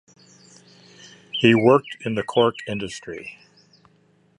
He worked in the cork industry.